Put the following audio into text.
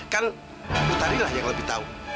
kan butari lah yang lebih tahu